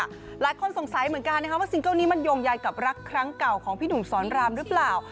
หลายคนสงสัยเหมือนกันว่าซิงเกิ้ลนี้มันโยงใยกับรักครั้งเก่าของพี่หนุ่มสอนรามหรือเปล่า